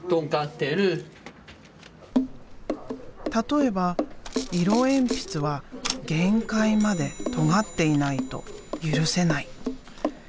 例えば色鉛筆は限界までとがっていないと許せない。